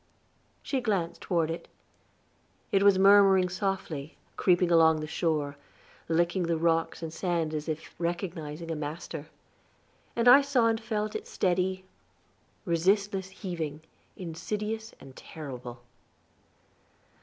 She glanced toward it; it was murmuring softly, creeping along the shore, licking the rocks and sand as if recognizing a master. And I saw and felt its steady, resistless heaving, insidious and terrible.